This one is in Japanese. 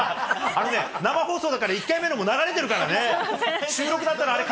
生放送だから１回目も流れてるからね。